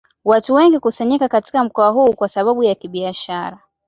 Watu wengi hukusanyika katika mkoa huu kwa sababu ya kibiashara